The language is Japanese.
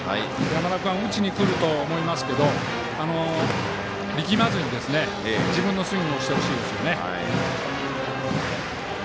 山田君は打ちにくると思いますけど力まずに自分のスイングをしてほしいですね。